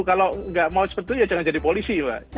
kalau nggak mau seperti itu ya jangan jadi polisi pak